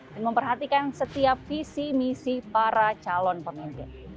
dan memperhatikan setiap visi misi para calon pemimpin